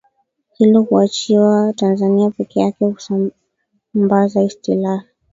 hilo kuachiwa Tanzania peke yake Kusamabaza Istilahi